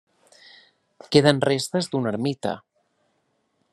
Queden restes d'una ermita.